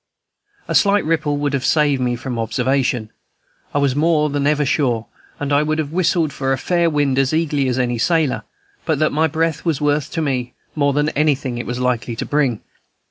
A slight ripple would have saved me from observation, I was more than ever sure, and I would have whistled for a fair wind as eagerly as any sailor, but that my breath was worth to me more than anything it was likely to bring.